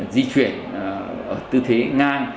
di chuyển tư thế ngang